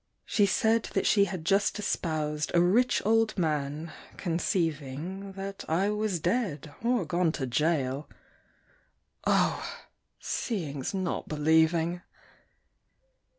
She said that she had just espoused A rich old man, conceiving That I was dead or gone to gaol: Oh! seeing's not believing!